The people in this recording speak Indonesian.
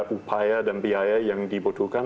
upaya dan biaya yang dibutuhkan